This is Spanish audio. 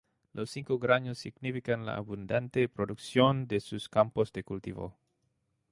Los cinco granos significan la abundante producción de sus campos de cultivo.